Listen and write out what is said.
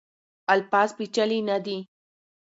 الفاظ پیچلي نه دي.